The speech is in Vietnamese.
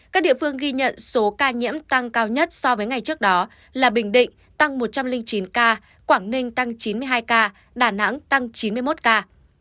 các địa phương ghi nhận số ca nhiễm tăng cao nhất so với ngày trước đó là bình định tăng một trăm linh chín ca quảng ninh tăng chín mươi hai ca đà nẵng tăng chín mươi một ca